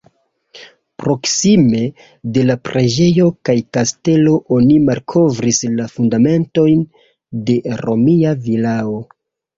Proksime de la preĝejo kaj kastelo oni malkovris la fundamentojn de romia vilao.